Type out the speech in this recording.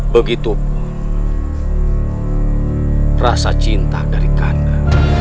begitupun rasa cinta dari kak kanda